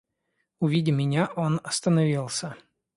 Увидя меня, он остановился.